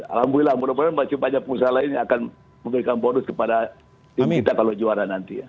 alhamdulillah mudah mudahan masih banyak pengusaha lain yang akan memberikan bonus kepada tim kita kalau juara nanti ya